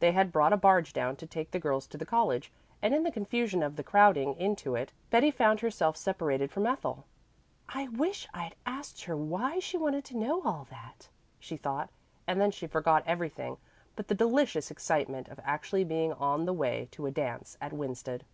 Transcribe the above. They had brought a barge down to take the girls to the college, and in the confusion of crowding into it Betty found herself separated from Ethel. "I wish I'd asked her why she wanted to know all that," she thought, and then she forgot everything but the delicious excitement of actually being on the way to a dance at Winsted.